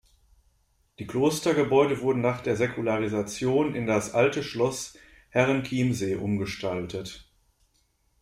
Die Klostergebäude wurden nach der Säkularisation in das Alte Schloss Herrenchiemsee umgestaltet.